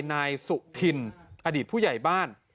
นายสุธินอดีตผู้ใหญ่บ้าน